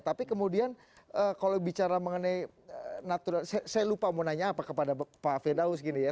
tapi kemudian kalau bicara mengenai natural saya lupa mau nanya apa kepada pak firdaus gini ya